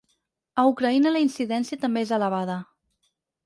A Ucraïna la incidència també és elevada.